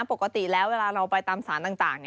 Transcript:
ปกติแล้วเวลาเราไปตามสารต่าง